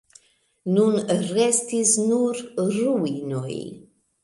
Nun restis nur ruinoj.